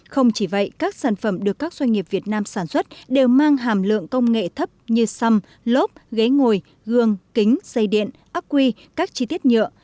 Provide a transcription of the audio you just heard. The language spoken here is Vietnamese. không chỉ vậy các sản phẩm được các doanh nghiệp việt nam sản xuất đều mang hàm lượng công nghệ thấp như xăm lốp ghế ngồi gương kính xây điện ác quy các chi tiết nhựa